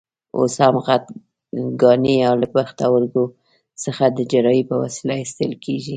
اوس هم غټ کاڼي له پښتورګو څخه د جراحۍ په وسیله ایستل کېږي.